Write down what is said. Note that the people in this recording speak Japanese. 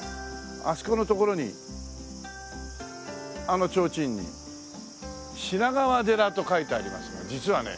あそこの所にあのちょうちんに品川寺と書いてありますが実はね